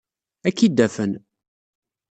Ad k-id-afen.